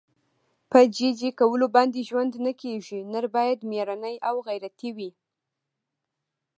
په جي جي کولو باندې ژوند نه کېږي. نر باید مېړنی او غیرتي وي.